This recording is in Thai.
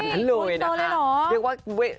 หมดตัวเลยเหรอเรียกว่า